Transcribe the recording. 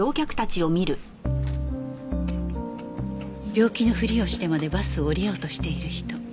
病気のふりをしてまでバスを降りようとしている人